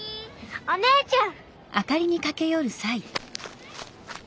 お姉ちゃん！